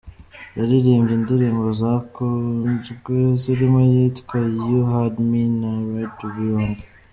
Yaririmbye indirimbo zakunzwe zirimo iyitwa “You Had Me” na “Right To Be Wrong”.